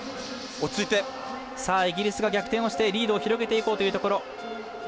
イギリスが逆転をしてリードを広げていこうというところ。